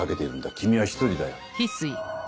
君は一人だよ。